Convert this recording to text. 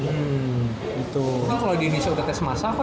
kan kalo di indonesia udah tes massal kan